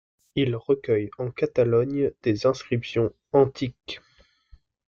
Il recueille en Catalogne des inscriptions antiques.